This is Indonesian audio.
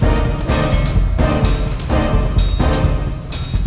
kalau midas tertawa tidak akan bisa supaya kilit saya seperti z beda lain